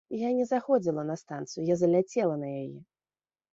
Я не заходзіла на станцыю, я заляцела на яе.